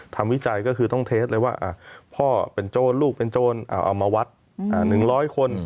วิจัยก็คือต้องเทสเลยว่าพ่อเป็นโจรลูกเป็นโจรเอามาวัด๑๐๐คน